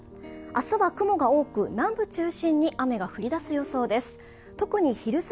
明日は雲が多く、南部中心に雨が降りだす予想です。